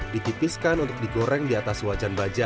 dipipiskan untuk digoreng di atas wajan baja